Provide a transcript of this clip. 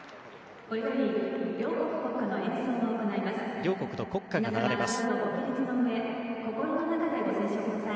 両国の国歌が流れます。